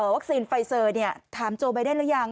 วัคซีนไฟเซอร์ถามโจไบเดนรึยัง